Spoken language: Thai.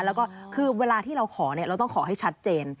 แล้วก็คือเวลาที่เราขอเราต้องขอให้ชัดเจน